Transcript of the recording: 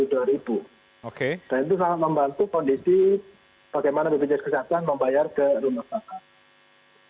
dan itu sangat membantu kondisi bagaimana bpjs kesehatan membayar ke rumah sakit